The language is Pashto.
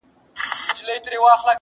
• نسلونه تېرېږي بيا بيا تل,